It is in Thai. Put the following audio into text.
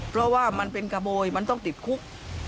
เพราะว่ามันเป็นขโมยมันต้องติดคุก